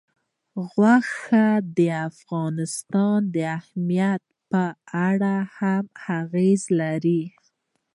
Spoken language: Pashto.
غوښې د افغانستان د امنیت په اړه هم اغېز لري.